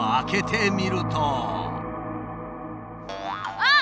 あっ！